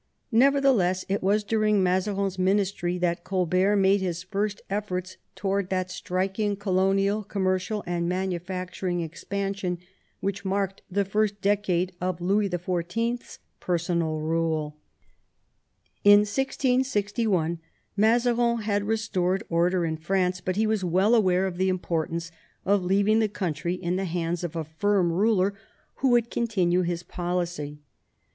Nevertheless, it was during Mazarin's ministry that Colbert made his first efforts towards that striking colonial, commercial, and manufacturing expansion which marked the first decade of Louis XIV. 's personal rule. Y^ In 1661 Mazarin had restored order in France, but he was well aware of the importance of leaving the country in the hands of a firm ruler who would continue his policy.